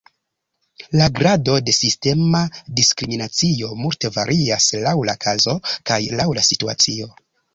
La grado de sistema diskriminacio multe varias laŭ la kazo kaj laŭ la situacio.